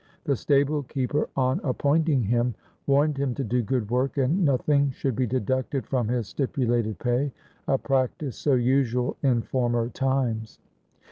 The stable keeper on appointing him warned him to do good work and nothing should be deducted from his stipulated pay, a practice so usual in former times.